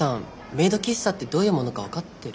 メイド喫茶ってどういうものか分かってる？